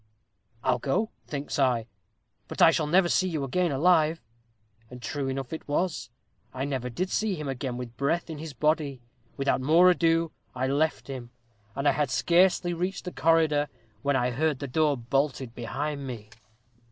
'I'll go,' thinks I, 'but I shall never see you again alive.' And true enough it was I never did see him again with breath in his body. Without more ado, I left him, and I had scarcely reached the corridor when I heard the door bolted behind me.